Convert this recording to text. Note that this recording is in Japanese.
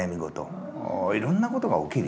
いろんなことが起きるよ」と。